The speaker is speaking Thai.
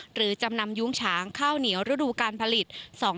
หรือจำนำยุ้งฉางข้าวเหนียวรูดูการผลิต๒๕๕๙๒๕๖๐